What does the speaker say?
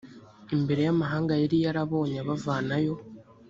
imbere yamahanga yari yarabonye abavanayo.